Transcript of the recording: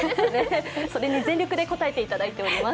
それに全力で応えていただいています。